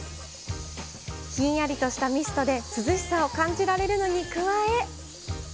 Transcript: ひんやりとしたミストで涼しさを感じられるのに加え。